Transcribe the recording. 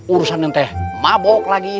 urusan yang teh mabok lagi